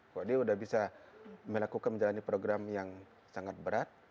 kok dia sudah bisa melakukan menjalani program yang sangat berat